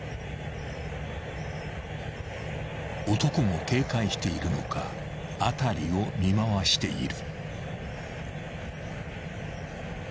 ［男も警戒しているのか辺りを見回している］